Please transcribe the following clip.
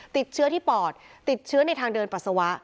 ติดเชื้อที่ปอดติดเชื้อในทางเดินปัสสาวะ